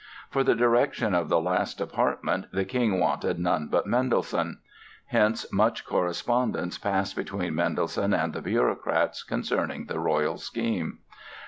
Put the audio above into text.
For the direction of the last department the king wanted none but Mendelssohn. Hence much correspondence passed between Mendelssohn and the bureaucrats concerning the royal scheme.